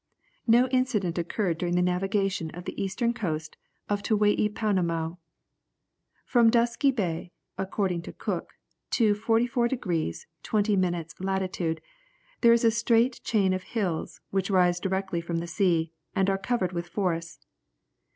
No incident occurred during the navigation of the eastern coast of Tawai Pounamow. From Dusky Bay, according to Cook, to 44 degrees 20 minutes latitude, there is a straight chain of hills which rise directly from the sea, and are covered with forests.